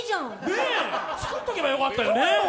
ねえ、作っときゃよかったよね。